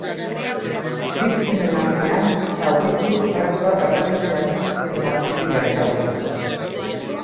Biktimen artean zauritu, preso, errefuxiatu eta zibilak daude.